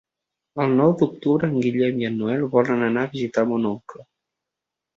El nou d'octubre en Guillem i en Nel volen anar a visitar mon oncle.